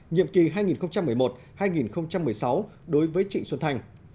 nhiệm kỳ hai nghìn một mươi một hai nghìn một mươi sáu đối với trịnh xuân thanh